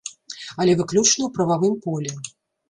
Але выключна ў прававым полі.